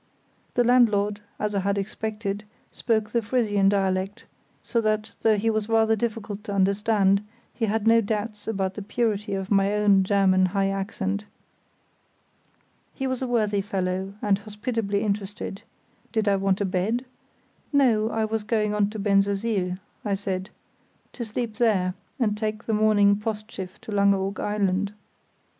_ The landlord, as I had expected, spoke the Frisian dialect, so that though he was rather difficult to understand, he had no doubts about the purity of my own German high accent. He was a worthy fellow, and hospitably interested: "Did I want a bed?" "No; I was going on to Bensersiel," I said, "to sleep there, and take the morning Postschiff to Langeoog Island."